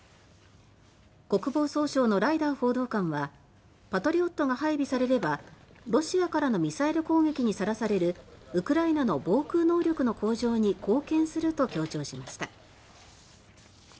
国防総省のライダー報道官はパトリオットが配備されればロシアからのミサイル攻撃にさらされるウクライナの防空能力の向上に貢献すると強調しました。